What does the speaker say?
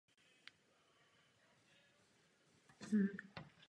Za německé okupace se liga nehrála.